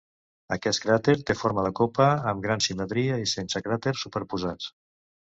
Aquest cràter té forma de copa, amb gran simetria, i sense cràters superposats.